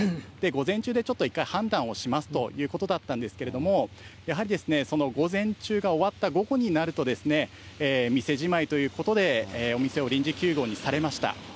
午前中でちょっと一回判断をしますということだったんですけれども、やはり、その午前中が終わった午後になると、店じまいということでお店を臨時休業にされました。